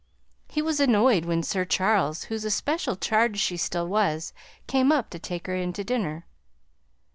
He was annoyed when Sir Charles, whose especial charge she still was, came up to take her in to dinner.